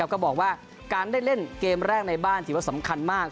ก็บอกว่าการได้เล่นเกมแรกในบ้านถือว่าสำคัญมาก